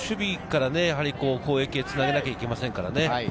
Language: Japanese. まず守備から攻撃につなげなきゃいけませんからね。